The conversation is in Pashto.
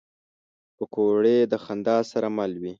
پکورې د خندا سره مل وي